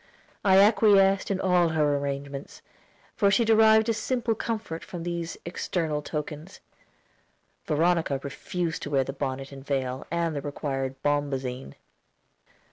I acquiesced in all her arrangements, for she derived a simple comfort from these external tokens. Veronica refused to wear the bonnet and veil and the required bombazine.